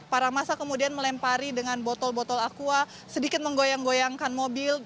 para masa kemudian melempari dengan botol botol aqua sedikit menggoyang goyangkan mobil